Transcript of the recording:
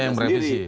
ya yang merevisi